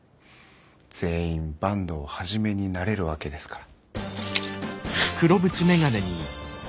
全員坂東一になれるわけですから。